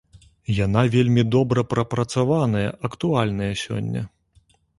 Яна вельмі добра прапрацаваная, актуальная сёння.